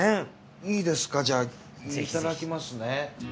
いいですかじゃあいただきますね。